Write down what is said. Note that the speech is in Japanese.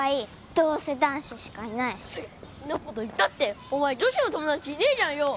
どうせ男子しかいないしんなこと言ったってお前女子の友達いねえじゃんよ